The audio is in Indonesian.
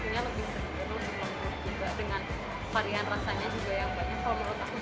kalau gelato kan pastinya lebih serius lebih lembut juga dengan varian rasanya juga yang banyak